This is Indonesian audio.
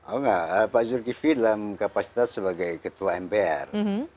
oh enggak pak zulkifli dalam kapasitas sebagai ketua mpr